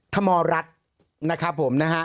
ธมรัฐนะครับผมนะฮะ